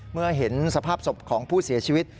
เมื่อเห็นสภาพศพของผู้เสียชีวิต